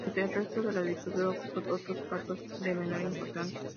Durante el resto de la dictadura ocupó otros cargos de menor importancia.